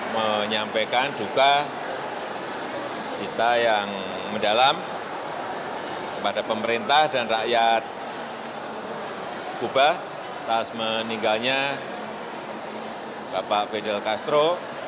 menyampaikan duka cita yang mendalam kepada pemerintah dan rakyat kuba atas meninggalnya bapak fedel castro